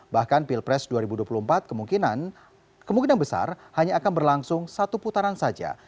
bahkan pilpres dua ribu dua puluh empat kemungkinan besar hanya akan berlangsung satu putaran saja